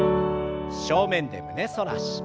正面で胸反らし。